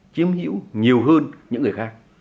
chiếm hiểu nhiều hơn những người khác